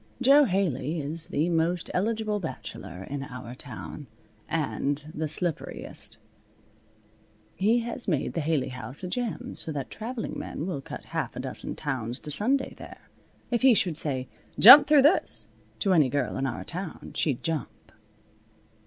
Jo Haley is the most eligible bachelor in our town, and the slipperiest. He has made the Haley House a gem, so that traveling men will cut half a dozen towns to Sunday there. If he should say "Jump through this!" to any girl in our town she'd jump.